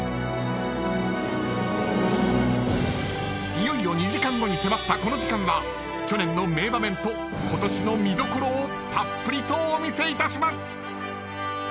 ［いよいよ２時間後に迫ったこの時間は去年の名場面とことしの見どころをたっぷりとお見せいたします！］